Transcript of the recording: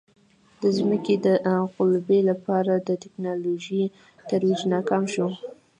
د ځمکې د قُلبې لپاره د ټکنالوژۍ ترویج ناکام شو.